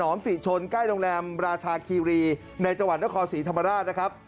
ศรีชนใกล้โรงแรมราชาคีรีในจังหวัดนครศรีธรรมราชนะครับ